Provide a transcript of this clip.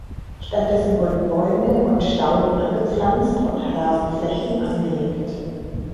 Stattdessen wurden Bäume und Stauden angepflanzt und Rasenflächen angelegt.